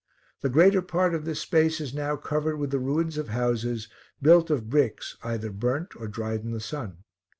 The greater part of this space is now covered with the ruins of houses, built of bricks either burnt or dried in the sun.